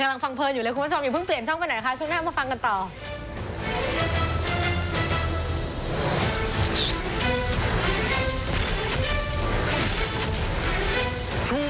อ้าวอู๋อีกกำลังฟังเพลินอยู่เลยคุณผู้ชม